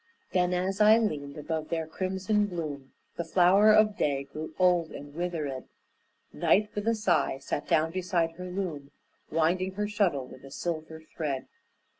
Then, as I leaned above their crimson bloom, The flower of day grew old and witheréd, Night with a sigh sat down beside her loom Winding her shuttle with a silver thread.